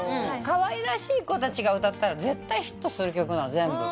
可愛らしい子たちが歌ったら絶対ヒットする曲なの全部。